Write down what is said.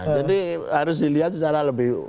jadi harus dilihat secara lebih